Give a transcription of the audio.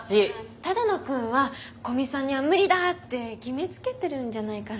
只野くんは古見さんには無理だって決めつけてるんじゃないかな。